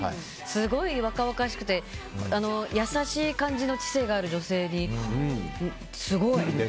すごい若々しくて優しい感じの知性がある女性にすごい。